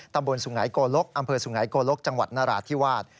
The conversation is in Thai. ตำบลสุงหายโกหลกอำเภอสุงหายโกหลกจังหวัดนราชที่วาด